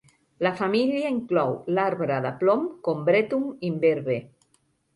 La família inclou l'arbre de plom, Combretum imberbe.